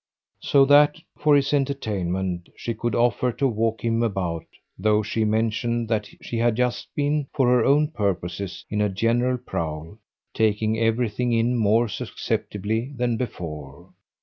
so that, for his entertainment, she could offer to walk him about though she mentioned that she had just been, for her own purposes, in a general prowl, taking everything in more susceptibly than before.